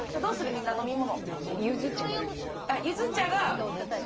みんな飲み物。